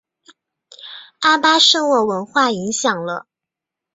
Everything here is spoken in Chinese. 阿巴舍沃文化影响了。